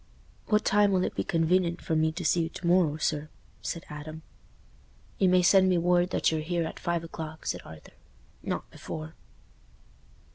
"What time will it be conven'ent for me to see you to morrow, sir?" said Adam. "You may send me word that you're here at five o'clock," said Arthur; "not before."